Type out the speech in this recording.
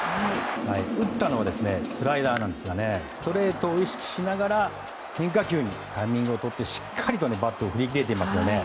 打ったのはスライダーなんですがストレートを意識しながら変化球にタイミングをとってしっかりとバットを振り切れていますね。